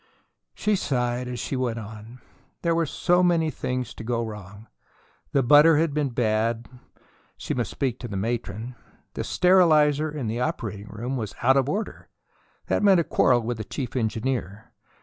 She sighed as she went on. There were so many things to go wrong. The butter had been bad she must speak to the matron. The sterilizer in the operating room was out of order that meant a quarrel with the chief engineer.